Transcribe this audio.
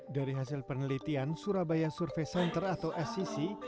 dari hasil penelitian surabaya survey center atau scc